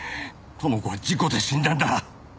知子は事故で死んだんだ。